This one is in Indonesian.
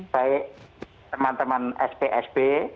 baik teman teman spsb